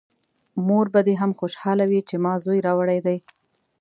مور به دې هم خوشحاله وي چې ما زوی راوړی دی!